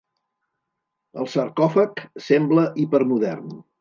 El sarcòfag sembla hipermodern.